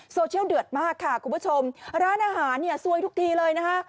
โซเชียลเดือดมากค่ะคุณผู้ชมร้านอาหารเนี่ยซวยทุกทีเลยนะคะ